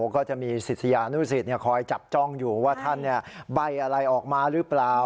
ก็จะมีศิษยานุสิตคอยจับจ้องอยู่ว่าท่านใบ้อะไรออกมาหรือเปล่า